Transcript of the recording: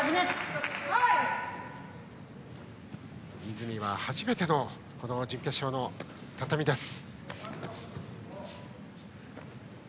泉は初めての準決勝の畳です。